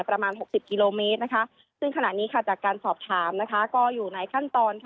ประมาณ๖๐กิโลเมตรนะคะซึ่งขณะนี้จากการสอบถามนะคะก็อยู่ในขั้นตอน